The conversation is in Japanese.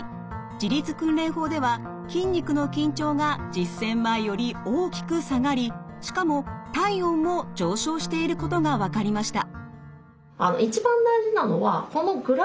自律訓練法では筋肉の緊張が実践前より大きく下がりしかも体温も上昇していることが分かりました。